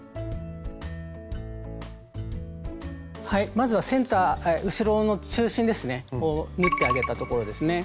はいまずはセンター後ろの中心ですね縫ってあげたところですね。